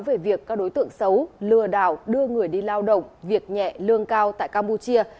về việc các đối tượng xấu lừa đảo đưa người đi lao động việc nhẹ lương cao tại campuchia